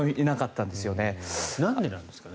なんでなんですかね。